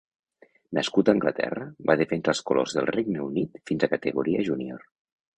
Nascut a Anglaterra, va defensar els colors del Regne Unit fins a categoria júnior.